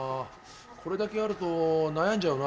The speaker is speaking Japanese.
これだけあると悩んじゃうな。